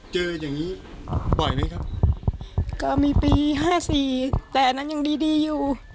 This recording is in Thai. อย่างงี้บ่อยไหมครับก็มีปีห้าสี่แต่อันนั้นยังดีดีอยู่